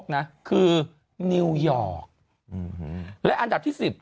อ๋อเหรอ